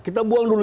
kita buang dulu